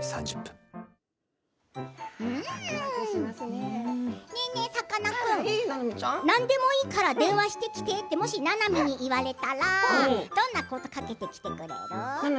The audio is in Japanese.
ねえねえ、さかなクン何でもいいから電話してきてともしななみに言われたらどんなことをかけてきてくれる？